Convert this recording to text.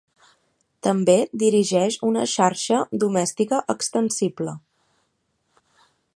També dirigeix una xarxa domèstica extensible.